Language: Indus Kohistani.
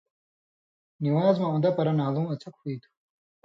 نِوان٘ز مہ اُن٘دہ پرہ نھالُوں اڅھک ہُوئ تھُو۔